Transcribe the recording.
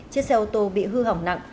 chiếc xe ô tô bị hư hỏng nặng